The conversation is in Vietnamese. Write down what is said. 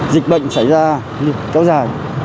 dịch bệnh xảy ra kéo dài